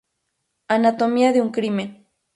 Anatomía de un crimen".